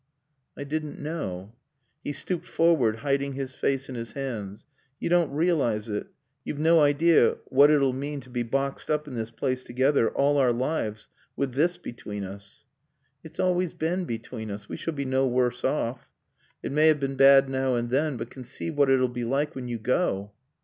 "I didn't know." He stooped forward, hiding his face in his hands. "You don't realise it. You've no idea what it'll mean to be boxed up in this place together, all our lives, with this between us." "It's always been between us. We shall be no worse off. It may have been bad now and then, but conceive what it'll be like when you go."